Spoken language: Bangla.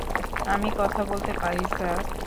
আমি কথা বলতে পারি, স্যার!